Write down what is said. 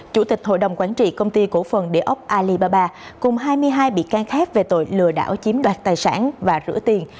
chủ tịch hội đồng quản trị công ty cổ phần địa ốc alibaba cùng hai mươi hai bị can khác về tội lừa đảo chiếm đoạt tài sản và rửa tiền